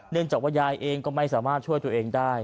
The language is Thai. จากว่ายายเองก็ไม่สามารถช่วยตัวเองได้